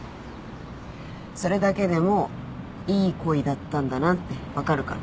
それだけでもういい恋だったんだなって分かるから。